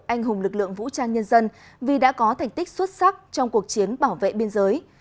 anh hùng lực lượng vũ trang nhân dân vì đã có thành tích xuất sắc trong cuộc chiến bảo vệ biên giới